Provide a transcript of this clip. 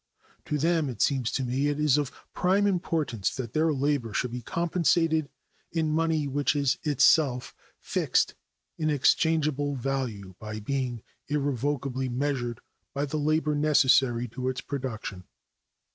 To them, it seems to me, it is of prime importance that their labor should be compensated in money which is itself fixed in exchangeable value by being irrevocably measured by the labor necessary to its production.